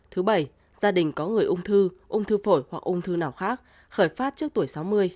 thứ bảy gia đình có người ung thư ung thư phổi hoặc ung thư nào khác khởi phát trước tuổi sáu mươi